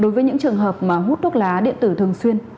đối với những trường hợp mà hút thuốc lá điện tử thường xuyên